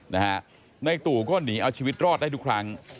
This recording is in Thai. นายตู่ก็หนีเอาชีวิตรอดได้ทุกครั้ง